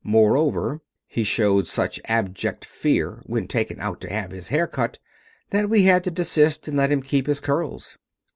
Moreover, he showed such abject fear when taken out to have his hair cut that we had to desist and let him keep his curls.